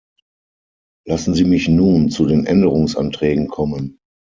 Lassen Sie mich nun zu den Änderungsanträgen kommen.